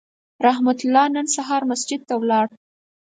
رحمت الله نن سهار مسجد ته لاړ